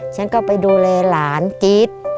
ฉันก็ไปดูแลหลานกรี๊ด